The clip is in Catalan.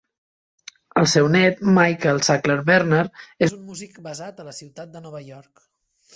El seu net, Michael Sackler-Berner, és un músic basat a la ciutat de Nova York.